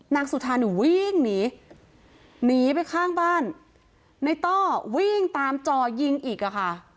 สุธาเนี่ยวิ่งหนีหนีไปข้างบ้านในต้อวิ่งตามจ่อยิงอีกอ่ะค่ะ